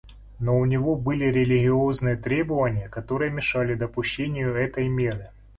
Но у него были религиозные требования, которые мешали допущению этой меры.